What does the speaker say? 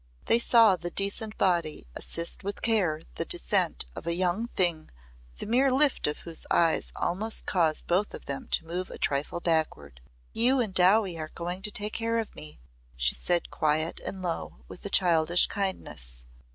They saw the "decent body" assist with care the descent of a young thing the mere lift of whose eyes almost caused both of them to move a trifle backward. "You and Dowie are going to take care of me," she said quiet and low and with a childish kindness.